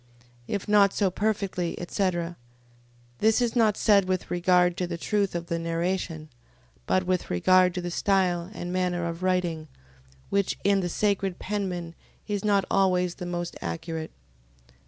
If not so perfectly, etc... This is not said with regard to the truth of the narration; but with regard to the style and manner of writing: which in the sacred penmen is not always the most accurate.